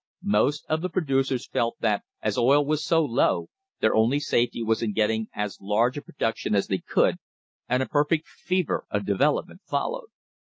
Most of the producers felt that, as oil was so low, their only safety was in getting as large a production as they could, and a perfect fever of development followed.